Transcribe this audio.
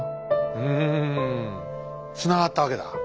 うんつながったわけだ。